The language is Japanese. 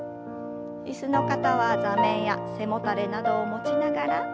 椅子の方は座面や背もたれなどを持ちながら。